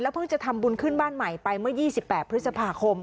เพิ่งจะทำบุญขึ้นบ้านใหม่ไปเมื่อ๒๘พฤษภาคม